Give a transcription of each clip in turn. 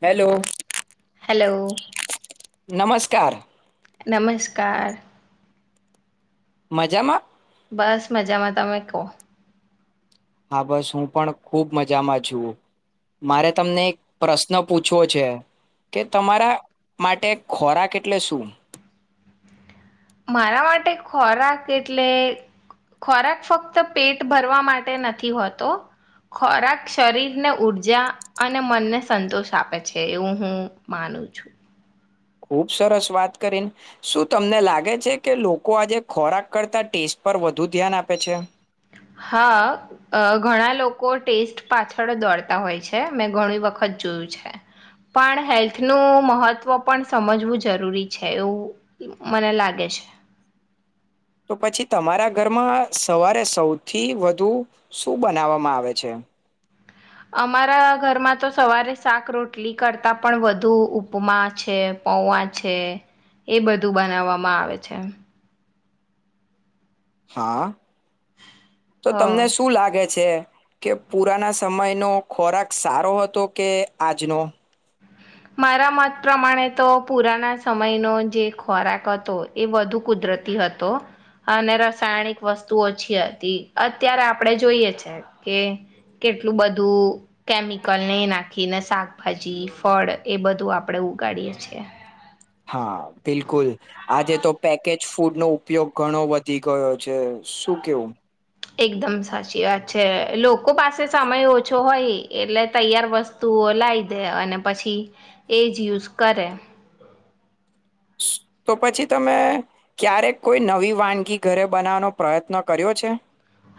Hello hello નમસ્કાર નમસ્કાર મજામાં બસ મજામાં તમે કહો હા બસ હું પણ ખુબ મજામાં છું મારે તમને એક પ્રશ્ન પૂછવો છે કે તમારા માટે ખોરાક એટલે શું મારા માટે ખોરાક એટલે ખોરાક ફક્ત પેટ ભરવા માટે નથી હોતો ખોરાક શરીરને ઊર્જા અને મનને સંતોષ આપે છે એવું હું માનું છું. ખુબ સરસ વાત કરી શું તમને લાગે છે કે લોકો આજે ખોરાક કરતા ટેસ્ટ પર વ હા અ ઘણા લો કો ટેસ્ટ પાછળ દોડતા હોય છે મેં ઘણી વખત જોયું છે પણ હેલ્થનું મહત્વ પણ સમજવું જરૂરી છે એવું મને લાગે છે. તો પછી તમારા ઘરમાં સવારે સૌથી વધુ શું બનાવવામાં આવે છે. અમારા ઘરમાં તો સવારે શાક રોટલી કરતા પણ વધુ ઉપમા છે પૌવા છે એ બધું બનાવવામાં આવે છે. હા તો હ તમને શું લાગે છે કે પુરાના સમયનો ખોરાક સારો હતો કે આજનો મારા મત પ્રમાણે તો પુરાના સમયનો જે ખોરાક હતો એ વધુ કુદરતી હતો અને રસાયણિક વસ્તુ ઓછી હતી અત્યારે આપણે જોઈએ છે કે કેટલું બધું કેમિકલ ને નાખીને શાકભાજી ફળ એ બધું આપણે ઉગાડીએ છીએ. હા બિલકુલ આજે તો પેકેજ ફૂડ નો ઉપયોગ ઘણો વધી ગયો છે શું કેવું એકદમ સાચી વાત છે લોકો પાસે સમય ઓછો હોય એટલે તૈયાર વસ્તુઓ લાવી દે અને પછી એ જ યુઝ કરે તો પછી તમે ક્યારેક કોઈ નવી વાનગી ઘરે બનાવવાનો પ્રયત્ન કર્યો છે.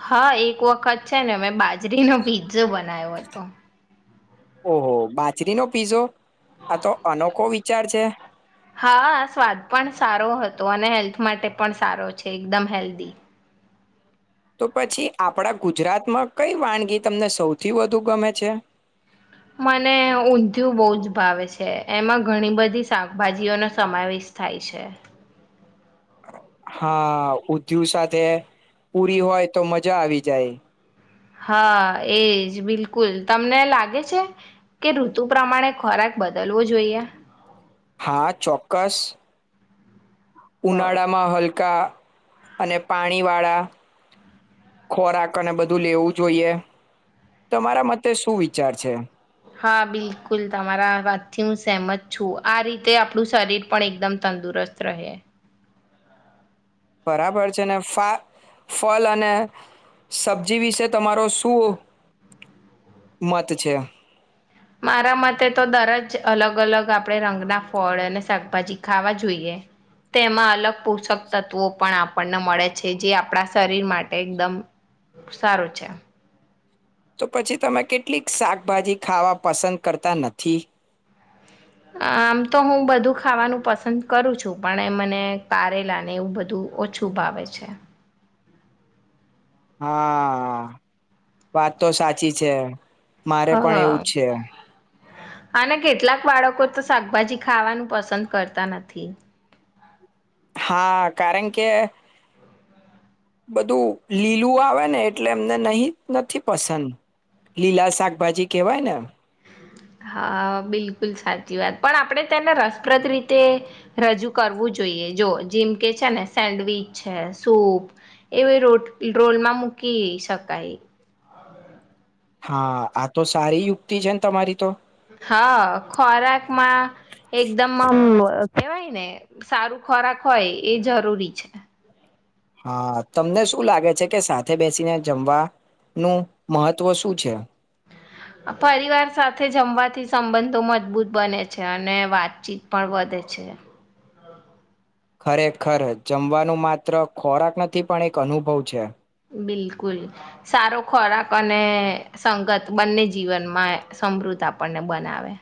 હા એક વખત છે ને મેં બાજરીનો પીઝો બનાવ્યો હતો ઓહો બાજરીનો પીઝો આ તો અનોખો વિચાર છે. હા સ્વાદ પણ સારો હતો અને હેલ્થ માટે પણ સારો છે એકદમ હેલ્ધી તો પછી આપણા ગુજરાતમાં કઈ વાનગી તમને સૌથી વધુ ગમે છે. મને ઊંધિયું બોજ ભાવે છે એમાં ઘણી બધી શાકભાજીઓનો સમાવેશ થાય છે. હા ઉધયુ સાથે પૂરી હોય તો મજા આવી જાય હા એજ બિલકુલ તમને લાગે છે કે ઋતુ પ્રમાણે ખોરાક બદલવો જોઈએ હા ચોક્કસ હ ઉનાળામાં હલ કા અને પાણી વાળા ખોરાક અને બધું લેવું જોઈએ તમારા મતે શું વિચાર છે. હા બિલકુલ તમારા વાતથી હું સહેમત છું આ રીતે આપણું શરીર પણ એકદમ તંદુરસ્ત રહે બરાબર છે ને ફા ફલ અને સબ્જી વિશે તમા રોસુ મત છે મારા મતે તો દરજ અલગ અલગ આપણે રંગના ફળ અને શાકભાજી ખાવા જોઈએ તેમાં અલગ પોષક તત્વો પણ આપણને મળે છે જે આપણા શરીર માટે એકદમ સારું છે. તો પછી તમે કેટલીક શાકભાજી ખાવા પસંદ કરતા નથી. આમ તો હું બધું ખાવાનું પસંદ કરું છું પણ એ મને તારેલા ને એવું બધું ઓછું ભાવે છે. હા વાત તો સાચી છે. હ મારે પણ એવું જ છે અનેને કેટલાક બાળકો તો શાકભાજી ખાવાનું પસંદ કરતા નથી. હા કારણ કે બધું લીલું આવે ને એટલે એમને નહી નથી પસંદ લીલા શાકભાજી કેહેવાય ને હા બિલકુલ સાચી વાત પણ આપણે તેને રસપ્રદ રીતે રજૂ કરવું જોઈએ જો જેમકે છે ને સેન્ડવીચ છે સૂપ એવી રોટ રોલમાં મૂકી શકાય હા આ તો સારી યુક્તિ છે ને તમારી તો હા ખોરાકમાં એકદમ આમ કેવાય ને સારું ખોરાક હોય એ જરૂરી છે. હા તમને શું લાગે છે કે સાથે બેસીને જમવાનું મહત્વ શું છે. પરિવાર સાથે જમવાથી સંબંધો મજબૂત બને છે અને વાતચીત પણ વધે છે. ખરેખર જમવાનું માત્ર ખોરાક નથી પણ એક અનુભવ છે. બિલકુલ સારો ખોરાક અને સંગત બંને જીવનમાં સમૃદ્ધ આપણને બનાવે.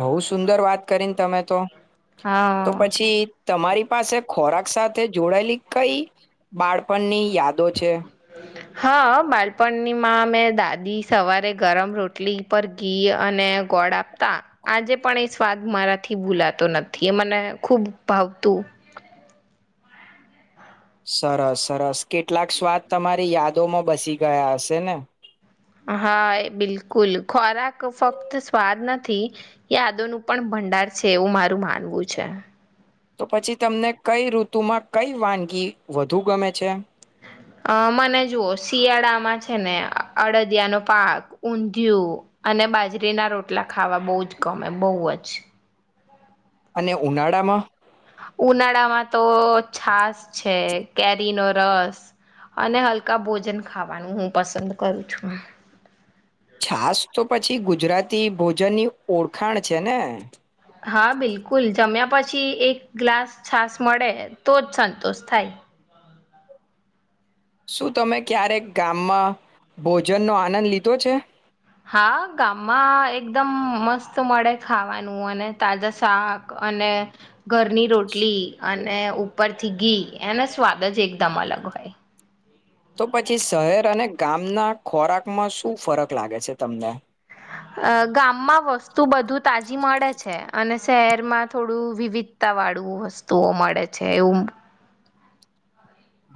બઉ સુંદર વાત કરીને તમે તો. તો હા પછી તમારી પાસે ખોરાક સાથે જોડાયેલી કઈ બાળપણની યાદો છે હા બાળપણનીમાં મેં દાદી સવારે ગરમ રોટલી પર ઘી અને ગોળ આપતા આજે પણ એ સ્વાદ મારાથી ભૂલાતો નથી એ મને ખુબ ભાવતું. સરસ સરસ કેટલાક સ્વાદ તમારી યાદોમાં બસી ગયા હશે ને. હા એ બિલકુલ ખોરાક ફક્ત સ્વાદ નથી યાદો નું પણ ભંડાર છે એવું મારું માનવું છે. તો પછી તમને કઈ ઋતુમાં કઈ વાનગી વધુ ગમે છે? અ મને જુઓ શિયાળામાં છે ને અડદિયાનો પાક ઊંધિયું અને બાજરીના રોટલા ખાવા બહ જ ગમે બહુ જ. અને ઉનાળામાં ઉનાળામાં તો છાસ છે કેરીનોો રસ અને હલકા ભોજન ખાવાનું હું પસંદ કરું છું. છાસ તો પછી ગુજરાતી ભોજનની ઓળખાણ છે ને. હા બિલકુલ જમ્યા પછી એક ગ્લાસ છાસ મળે તો જ સંતોષ થાય. શું તમે ક્યારેક ગામમાં ભોજનનોો આનંદ લીધો છે. હા ગામમાં એકદમ મસ્ત મળે ખાવાનું અને તાજા શાક અને ઘરની રોટલી અને ને ઉપરથી ઘી એને સ્વાદ જ એકદમ અલગ હોય. તો પછી શહેર અને ગામના ખોરાકમાં શું ફરક લાગે છે તમને? અ ગામમાં વસ્તુ બધું તાજી મળે છે અને શહેરમાં થોડું વિવિધતા વાળું વસ્તુઓ મળે છે એવું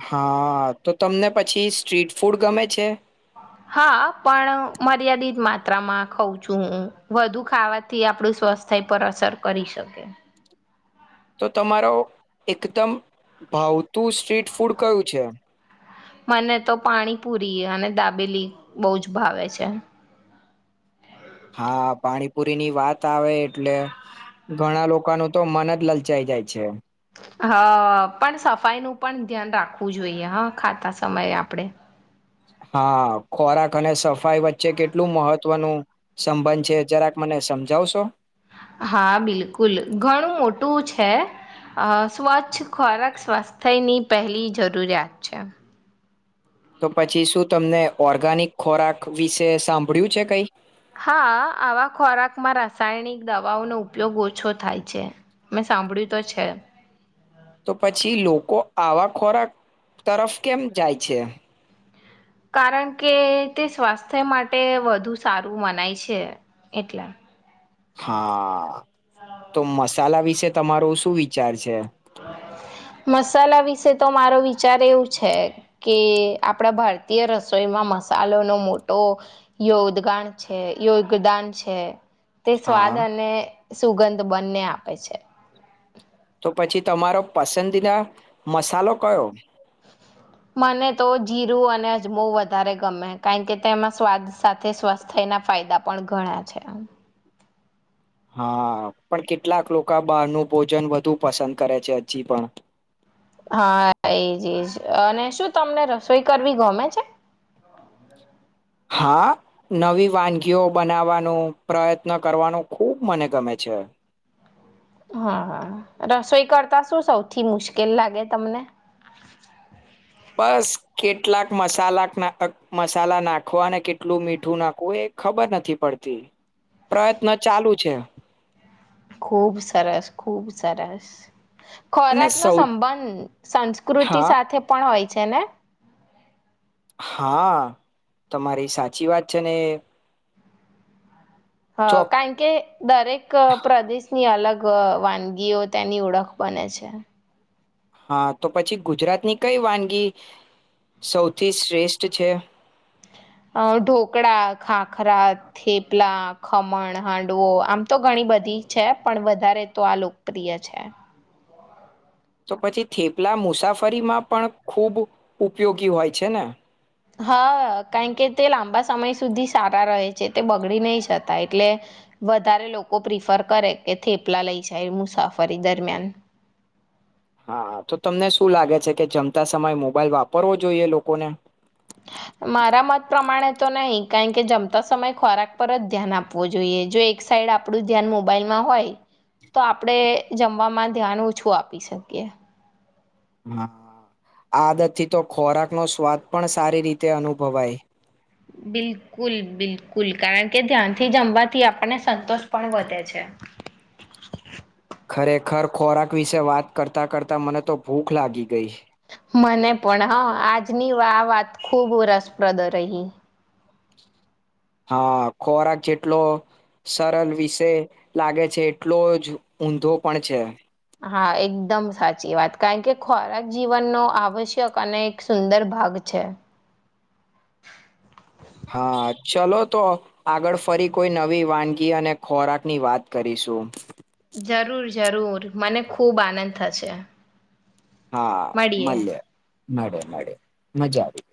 હા તો તમને પછી સ્ટ્રીટ ફૂડ ગમે છે. માત્રમાં ખઉં છું હું વધુ ખાવાથી આપડું સ્વસ્થ પર અસર કરી શકે. તો તમારો એકદમ ભાવ તું સ્ટ્રીટ ફૂડ કયું છે? મને તો પાણી પૂરી અને દાબેલી બહુ જ ભાવે છે. હા પાણીપુરી ની વાત આવે એટલે ઘણા લોકોનું તો મન જ લલચાઈ જાય છે. હ પણ સફાઈનું પણ ધ્યાન રાખવું જોઈએ હા ખાતા સમયે આપણેે હા ખોરાક અને સફાઈ વચ્ચે કેટલું મહત્વનું સંબંધ છે જરાક મને સમજાવશો. હા બિલકુલ ઘણું મોટ ટુ છે અ સ્વચ્છ ખોરાક સ્વાસ્થ્યની પહેલી જરૂરિયાત છે. તો પછી શું તમને ઓર્ગાનીક ખોરાક વિશે સાંભળ્યું છે કઈ હા આવા ખોરાકમાં રાસાયણિક દવાઓનો ઉપયોગ ઓછો થાય છે મેં સાંભળ્યું તો છે. તો પછી લોકો આવા ખોરાક તરફ કેમ જાય છે. કારણ કે તે સ્વાસ્થ્ય માટે વધુ સારું મનાય છે એટલે હા તો મસાલા વિશે તમારો શું વિચાર છે. મસાલા વિશે તો મારો વિચ ચાર એવું છે કે આપણા ભારતીય રસોઈમાં મસાલનો મોટો યોદગાણ છે યોગદાન છે. તે સ્વાદ હા અને સુગંધ બંને આપે છે. તો પછી તમારો પસંદીદા મસાલો કયો મને તો જીરું અને અજમો વધારે ગમે કારણ કે તેમાં સ્વાદ સાથે સ્વસ્થના ફાયદા પણ ઘણા છે એમ હા પણ કેટલાક લોકા બહારનું ભોજન વધુ પસંદ કરે છે હજી પણ હા એજ એજ અને શું તમને રસોઈ કરવી ગમે છે. હા નવી વાનગીઓ બનાવવાનું પ્રયત્ન કરવાનું ખૂબ મને ગમે છે. હા હા રસોઈ કરતા શું સૌથી મુશ્કેલ લાગે તમને બસ કેટલાક મસાલા નાખ મસાલા નાખવા અને કેટલું મીઠું નાખવું એ ખબર નથી પડતી પ્રયત્ન ચાલુ છે. ખુબ સરસ ખુબ સરસ અને ખોરાકનો સૌ સંબંધ સંસ્કૃતિ હા સાથે પણ હોય છેને હા તમારી સાચી વાત છે ને હ ચોક કારણ કે દરેક પ્રદેશની અલગ અ વાનગીઓ તેની ઓળખ બને છે. હા તો પછી ગુજરાતની કઈ વાનગી સૌથી શ્રેષ્ઠ છે. અ ઢોકળા ખાખરા થેપલા ખમણ હાંડવો આમ તો ઘણી બધી છે પણ વધારે તો આ લોકપ્રિય છે. તો પછી થેપલા મુસાફરીમાં પણ ખૂબ ઉપયોગી હોય છે ને હા કારણ કે તે લાંબા સમય સુધી સારા રહે છે તે બગડી નહી જતા એટલે વધારે લોકો પ્રિફર કરે કે થેપલા લઈ જાય મુસાફરી દરમિયાન હા તો તમને શું લાગે છે કે જમતા સમયે મોબાઈલ વાપરવો જોઈએ લોકોને મારા મત પ્રમાણે તો નહી કારણ કે જમતા સમય ખોરાક પર જ ધ્યાન આપવું જોઈએ જો એક સાઈડ આપણું ધ્યાન મોબાઈલમાં હોય તો આપણેે જમવામાં ધ્યાન ઓછું આપી શકીએ. હા આદતથી તો ખોરાકનો સ્વાદ પણ સારી રીતે અનુભવાય બિલકુલ બિલકુલ કારણ કે ધ્યાનથી જમવાથી આપણને સંતોષ પણ વધે છે. [inaudible] ખરેખર ખોરાક વિશે વાત કરતા કરતા મને તો ભૂખ લાગી ગઈ મને પણ હ આજની વા આ વાત ખૂબ રસપ્રદ રહી હા ખોરાક જેટલો સરલ વિષે લાગે છે એટલો જ ઊંધો પણ છે. હા એકદમ સાચી વાત કારણ કે ખોરાક જીવનનો આવશ્યક અને એક સુંદર ભાગ છે. હા ચલો તો આગળ ફરી કોઈ નવી વાનગી અને ખોરાકની વાત કરીશું. જરૂર જરૂર મને ખુબ આનંદ થશે. હા મળીએ. મલીએ. મળે મળે મજા આવી.